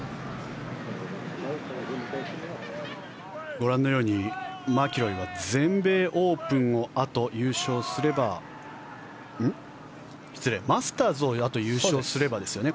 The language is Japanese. ご覧のようにマキロイは全米オープンをあと優勝すれば失礼、マスターズをあと優勝すればですね。